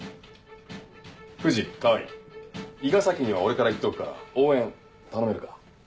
藤川合伊賀崎には俺から言っておくから応援頼めるか？